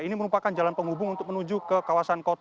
ini merupakan jalan penghubung untuk menuju ke kawasan kota